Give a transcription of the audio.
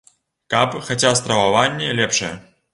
Каб хаця страваванне лепшае.